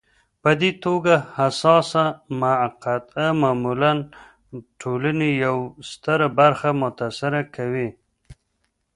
په دې توګه حساسه مقطعه معمولا ټولنې یوه ستره برخه متاثره کوي.